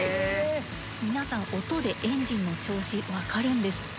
皆さん音でエンジンの調子わかるんですって。